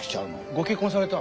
ご結婚された？